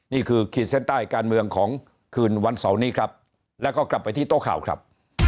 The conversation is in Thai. ขีดเส้นใต้การเมืองของคืนวันเสาร์นี้ครับแล้วก็กลับไปที่โต๊ะข่าวครับ